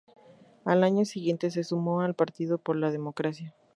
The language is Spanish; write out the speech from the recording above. Al año siguiente se sumó al Partido por la Democracia.